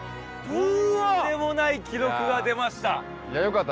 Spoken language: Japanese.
とんでもない記録が出ました！